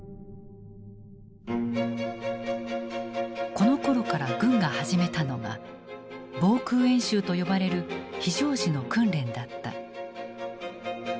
このころから軍が始めたのが「防空演習」と呼ばれる非常時の訓練だった。